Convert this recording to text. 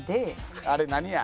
あれ何や？